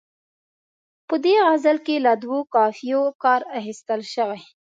په دې غزل کې له دوو قافیو کار اخیستل شوی.